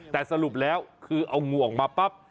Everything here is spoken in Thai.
แต่สรุปแล้วคือเอางวงออกมาปั๊บ